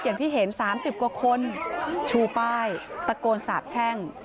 อย่างที่เห็น๓๐กว่าคนชูป้ายตะโกนสาบแช่ง